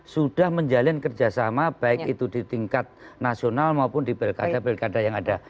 sudah menjalin kerjasama baik itu di tingkat nasional maupun di pilkada pilkada yang ada